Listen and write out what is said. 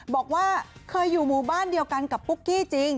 บอกว่าเคยอยู่หมู่บ้านเดียวกันกับปุ๊กกี้จริง